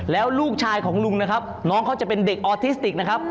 แล้วลูกชายของลุงนะครับน้องเขาจะเป็นเด็กออทิสติกนะครับ